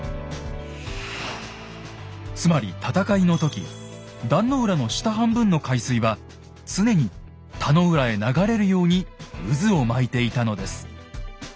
つまり戦いの時壇の浦の下半分の海水は常に田野浦へ流れるように渦を巻いていたのです。